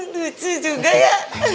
lucu juga ya